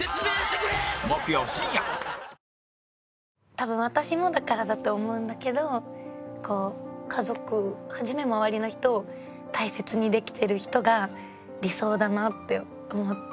多分私もだからだと思うんだけど家族をはじめ周りの人を大切にできてる人が理想だなって思って。